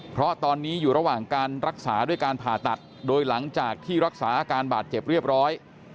เพราะตอนนี้อยู่ระหว่างการรักษาด้วยการผ่าตัดโดยหลังจากที่รักษาอาการบาดเจ็บเรียบร้อย